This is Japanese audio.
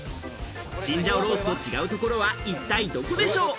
チンジャオロースと違うところは一体どこでしょう。